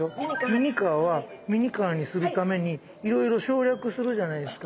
ミニカーはミニカーにするためにいろいろ省略するじゃないですか。